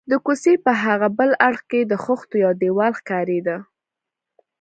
د کوڅې په هاغه بل اړخ کې د خښتو یو دېوال ښکارېده.